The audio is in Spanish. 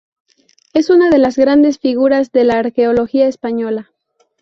Es una de las grandes figuras de la arqueología española.